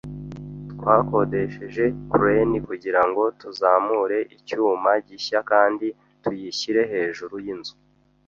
Twakodesheje crane kugirango tuzamure icyuma gishya kandi tuyishyire hejuru yinzu.